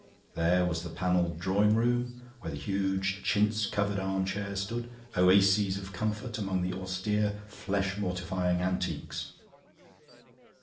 There was the panelled drawing room, where the huge chintz covered arm chairs stood, oases of comfort among the austere flesh mortifying antiques.